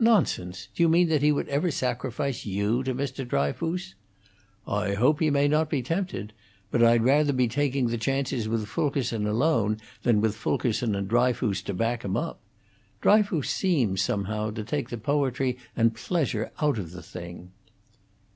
"Nonsense! Do you mean that he would ever sacrifice you to Mr. Dryfoos?" "I hope he may not be tempted. But I'd rather be taking the chances with Fulkerson alone than with Fulkerson and Dryfoos to back him. Dryfoos seems, somehow, to take the poetry and the pleasure out of the thing."